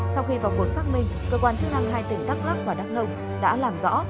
sau khi vào cuộc xác minh cơ quan chức năng hai tỉnh đắk lắc và đắk nông đã làm rõ